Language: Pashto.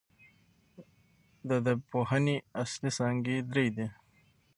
د ادبپوهني اصلي څانګي درې دي.